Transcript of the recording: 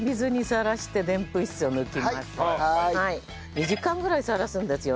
２時間ぐらいさらすんですよ。